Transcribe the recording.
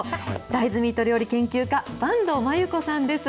大豆ミート料理研究家、坂東万有子さんです。